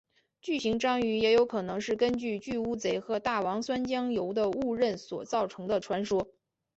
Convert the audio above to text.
巨型章鱼也有可能是根据巨乌贼和大王酸浆鱿的误认所造成的传说。